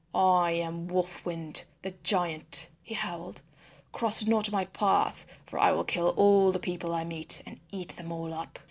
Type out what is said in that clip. "I am Wolf Wind, the giant," he howled, "cross not my path, for I will kill all the people I meet, and eat them all up."